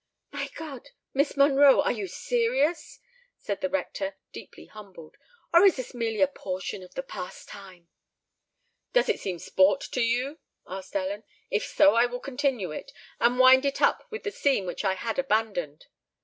"My God! Miss Monroe, are you serious?" said the rector, deeply humbled; "or is this merely a portion of the pastime?" "Does it seem sport to you?" asked Ellen: "if so, I will continue it, and wind it up with the scene which I had abandoned."